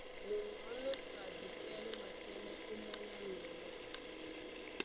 Lonɔ̌n lósadi pɛ́ ló matɛ́mɛ́ ómɔ́ny á myelé.